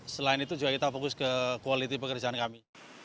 selain itu juga kita fokus ke kualiti pekerjaan kami